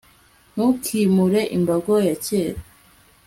ntukimure imbago ya kera